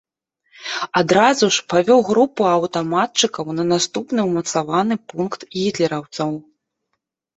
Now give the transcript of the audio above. Адразу ж, павёў групу аўтаматчыкаў на наступны ўмацаваны пункт гітлераўцаў.